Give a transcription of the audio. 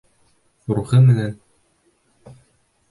Рухы менән!..